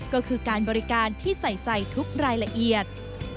ก็คือการบริการที่ใส่ใจทุกรายละเอียด